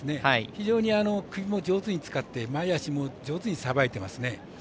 非常に首も上手に使って前脚も上手にさばいていますね。